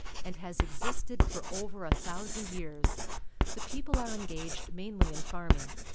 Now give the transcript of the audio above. and has existed for over a thousand years. The people are engaged mainly in farming.